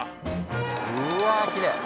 うわっきれい！